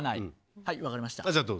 はい、分かりました。